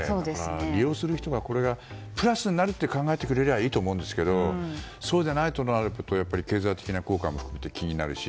利用する人がこれがプラスになると考えてくれればいいと思うんですがそうでないとなると経済的な効果も含めて気になるし。